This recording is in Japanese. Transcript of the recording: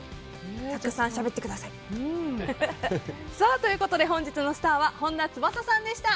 たくさんしゃべってください！ということで本日のスターは本田翼さんでした。